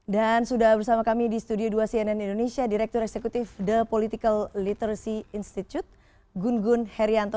dan sudah bersama kami di studio dua cnn indonesia direktur eksekutif the political literacy institute gun gun herianto